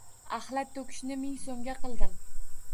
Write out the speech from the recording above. Axlat toʻkishni ming soʻmga qildim